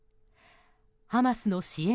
ハマスの支援